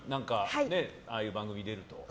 ああいう番組に出ると。